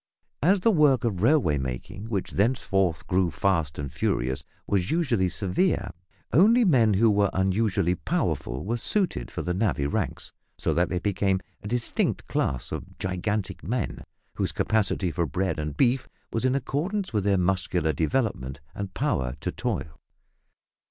As the work of railway making, which thenceforward grew fast and furious, was unusually severe, only men who were unusually powerful were suited for the navvy ranks, so that they became a distinct class of gigantic men, whose capacity for bread and beef was in accordance with their muscular development and power to toil.